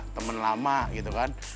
temen lama gitu kan